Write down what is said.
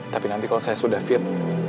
tapi nanti kalau saya sudah fit